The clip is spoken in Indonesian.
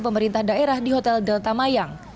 pemerintah daerah di hotel delta mayang